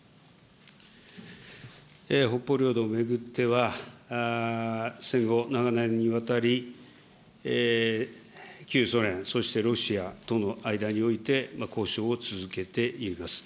北方領土を巡っては、戦後、長年にわたり、旧ソ連、そしてロシアとの間において交渉を続けています。